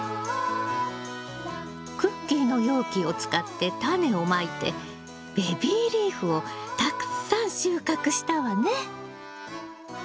クッキーの容器を使ってタネをまいてベビーリーフをたくさん収穫したわね。